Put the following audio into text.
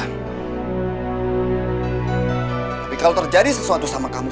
tapi kalau terjadi sesuatu sama kamu